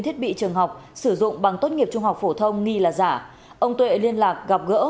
thiết bị trường học sử dụng bằng tốt nghiệp trung học phổ thông nghi là giả ông tuệ liên lạc gặp gỡ